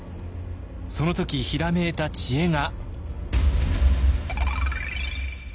その時ひらめいた知恵が。